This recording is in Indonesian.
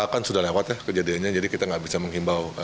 kan sudah lewat ya kejadiannya jadi kita nggak bisa menghimbau